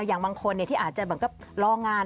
อย่างบางคนที่อาจจะรองาน